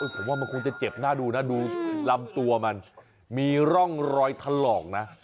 ผมว่ามันคงจะเจ็บหน้าดูนะดูลำตัวมันมีร่องรอยถลอกนะ